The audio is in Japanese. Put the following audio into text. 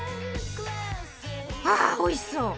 あおいしそう！